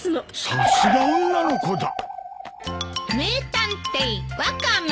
さすが女の子だ。